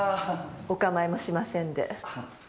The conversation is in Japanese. お構いもしませんで。